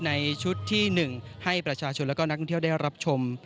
ในชุดที่หนึ่งให้ประชาชนแล้วก็นักที่เที่ยวได้รับชม